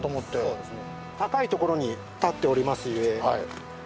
そうですね。